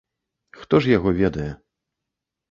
Хто ж яго ведае.